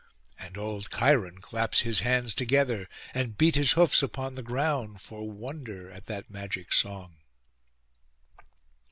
And old Cheiron claps his hands together, and beat his hoofs upon the ground, for wonder at that magic song.